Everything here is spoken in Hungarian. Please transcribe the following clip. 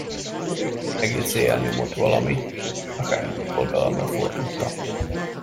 Egész éjjel nyomott valami, akármelyik oldalamra fordultam.